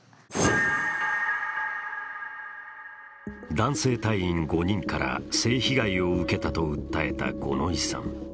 男性隊員５人から、性被害を受けたと訴えた五ノ井さん。